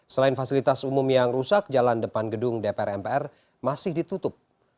selain fasilitas umum yang rusak jalan depan gedung dpr mpr masih ditutup